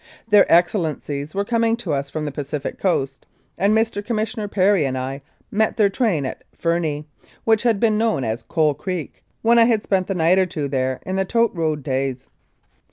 Their Excellencies were coming to us from the Pacific Coast, and Mr. Commissioner Perry and I met their train at Fernie, which had been known as "Coal Creek" when I had spent a night or two there in the "tote" road days.